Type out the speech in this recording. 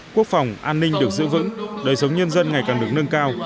quốc phòng an ninh được giữ vững đời sống nhân dân ngày càng được nâng cao